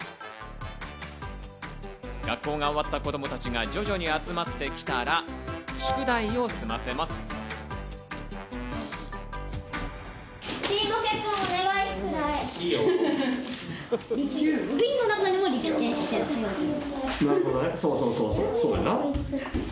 学校が終わった子供たちが徐々に集まってきたら宿題を済ませます。